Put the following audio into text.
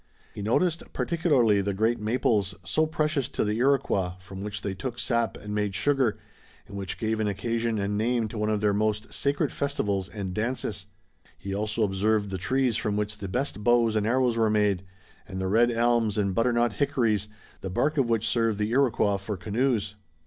He noticed particularly the great maples, so precious to the Iroquois, from which they took sap and made sugar, and which gave an occasion and name to one of their most sacred festivals and dances. He also observed the trees from which the best bows and arrows were made, and the red elms and butternut hickories, the bark of which served the Iroquois for canoes.